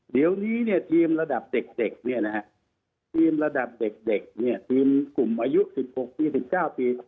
เดี๋ยวนี้ทีมระดับเด็กทีมกลุ่มอายุ๑๖ปี๑๙ปี